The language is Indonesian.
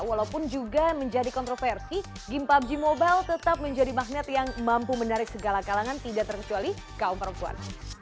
walaupun juga menjadi kontroversi game pubg mobile tetap menjadi magnet yang mampu menarik segala kalangan tidak terkecuali kaum perempuan